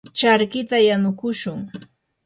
charkita yanukushun.